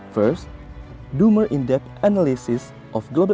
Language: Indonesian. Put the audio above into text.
pertama melakukan analisis lebih dalam kesehatan ekonomi global